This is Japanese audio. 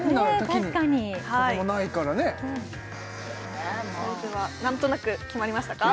確かに何となく決まりましたか？